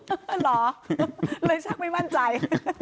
เหรอเลยชักไม่มั่นใจ